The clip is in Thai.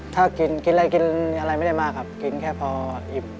ถ้ากินอะไรไม่ได้มากครับกินแค่พออิ่ม